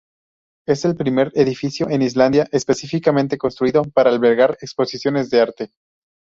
Es el primer edificio en Islandia especialmente construido para albergar exposiciones de arte.